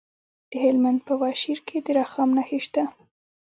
د هلمند په واشیر کې د رخام نښې شته.